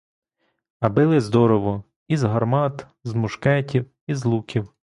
А били здорово — і з гармат, з мушкетів, і з луків.